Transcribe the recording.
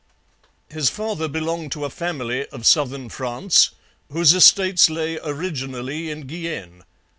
His father belonged to a family of southern France whose estates lay originally in Guienne.